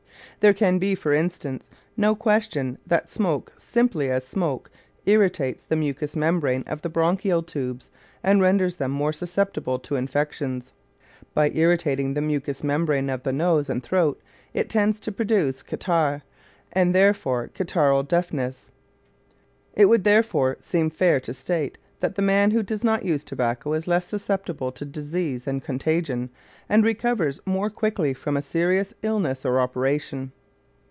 There can be, for instance, no question that smoke simply as smoke irritates the mucous membrane of the bronchial tubes and renders them more susceptible to infections; by irritating the mucous membrane of the nose and throat it tends to produce catarrh and therefore catarrhal deafness. It would therefore seem fair to state that the man who does not use tobacco is less susceptible to disease and contagion, and recovers more quickly from a serious illness or operation.